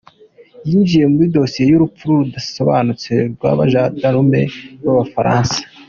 yinjiye muri dosiye y’urupfu rudasobanutse rw’abajandarume b’Abafaransa